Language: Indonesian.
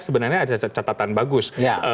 sebenarnya ada catatan bagus